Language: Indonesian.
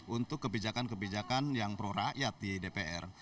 untuk kebijakan kebijakan yang prorakyat di dpr